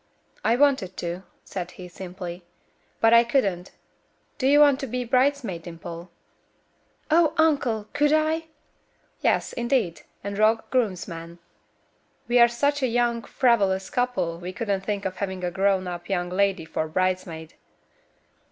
"I wanted to," said he, simply, "but I couldn't. Do you want to be bridesmaid, Dimple?" "Oh, uncle! Could I?" "Yes, indeed; and Rock groomsman. We are such a young, frivolous couple, we couldn't think of having a grown up young lady for bridesmaid."